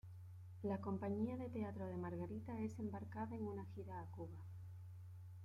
La compañía de teatro de Margarita es embarcada en una gira a Cuba.